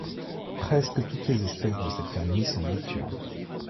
Presque toutes les espèces de cette famille sont nocturnes.